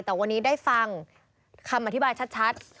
แต่วันนี้ได้ฟังคำอธิบายชัด